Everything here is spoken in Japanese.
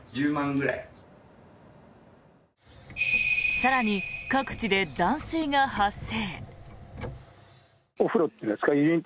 更に、各地で断水が発生。